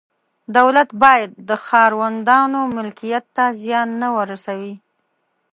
دولت باید د ښاروندانو ملکیت ته زیان نه ورسوي.